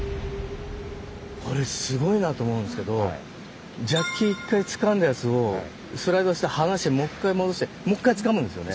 これすごいなと思うんですけどジャッキ一回つかんだやつをスライドして離してもう一回戻してもう一回つかむんですよね。